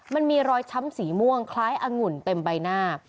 มันมีรอยช้ำสีม่วงคล้ายองุ่นเต็มใบหน้า